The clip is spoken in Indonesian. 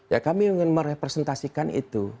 ya kami ingin merepresentasikan itu